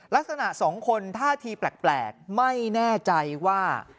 ลักษณะสองคนท่าทีแปลกไม่แน่ใจว่า